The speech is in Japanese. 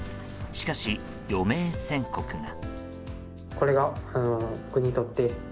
しかし、余命宣告が。